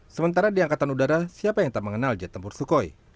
sementara di angkatan udara siapa yang tak mengenal jet tempur sukhoi